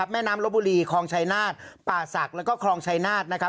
แม่น้ำโลภูลีคลองชัยนาศป่าศักดิ์และคลองชัยนาศและยุทิา